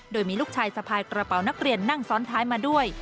โดยมีลูกชายสะพายกระเป๋านักเรียนนั่งซ้อนท้ายมาด้วย